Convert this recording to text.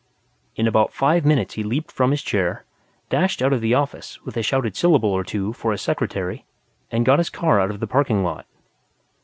In about five minutes he leaped from his chair, dashed out of the office with a shouted syllable or two for his secretary, and got his car out of the parking lot.